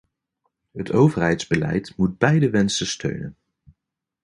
Het overheidsbeleid moet beide wensen steunen.